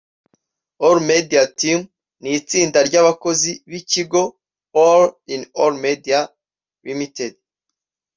All media team ni itsinda ry'abakozi b’ikigo All in all media ltd